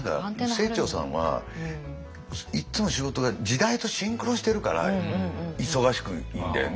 何か清張さんはいっつも仕事が時代とシンクロしてるから忙しくいんだよね。